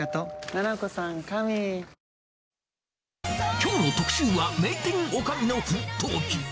きょうの特集は、名店女将の奮闘記。